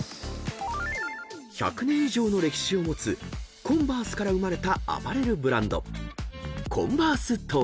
［１００年以上の歴史を持つＣＯＮＶＥＲＳＥから生まれたアパレルブランド］